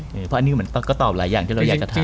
เพราะอันนี้เหมือนป๊อก็ตอบหลายอย่างที่เราอยากจะทำ